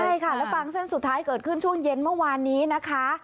ใช่ค่ะแล้วฟังเส้นสุดท้ายเกิดขึ้นช่วงเย็นเมื่อวานนี้นะคะ